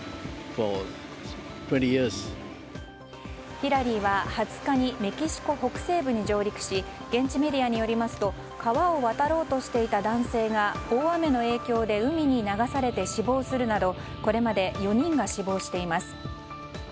ヒラリーは２０日にメキシコ北西部に上陸し現地メディアによりますと川を渡ろうとしていた男性が大雨の影響で海に流されて死亡するなどこれまで４人が死亡しています。